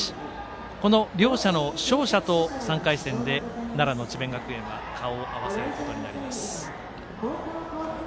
この両者の勝者と３回戦で奈良の智弁学園は顔を合わせることになります。